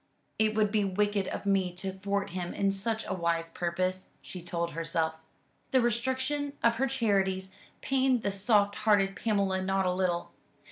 "It would be wicked of me to thwart him in such a wise purpose," she told herself. The restriction of her charities pained the soft hearted Pamela not a little.